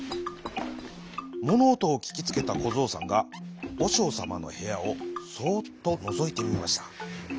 ものおとをききつけたこぞうさんがおしょうさまのへやをそうっとのぞいてみました。